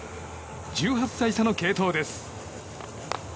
１８歳差の継投です。